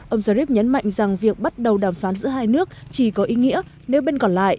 ông jarib nhấn mạnh rằng việc bắt đầu đàm phán giữa hai nước chỉ có ý nghĩa nếu bên còn lại